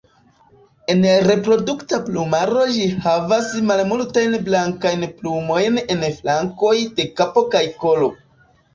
En reprodukta plumaro ĝi havas malmultajn blankajn plumojn en flankoj de kapo kaj kolo.